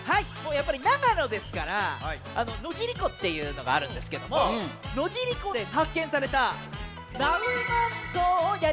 やっぱり長野ですから野尻湖っていうのがあるんですけども野尻湖ではっけんされたナウマンゾウをやりたいとおもいます。